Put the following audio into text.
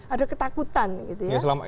ada ketakutan gitu ya